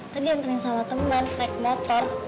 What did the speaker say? tadi anterin sama temen naik motor